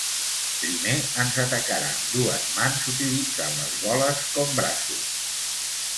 Primer ens atacarà amb dues mans utilitzant les boles com braços.